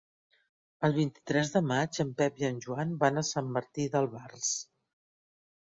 El vint-i-tres de maig en Pep i en Joan van a Sant Martí d'Albars.